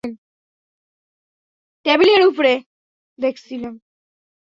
ফায়জালের autopsy report পেয়েছেন?